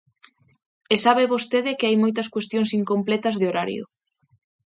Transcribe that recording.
E sabe vostede que hai moitas cuestións incompletas de horario.